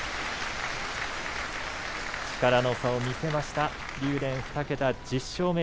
力の差を見せました竜電２桁、１０勝目。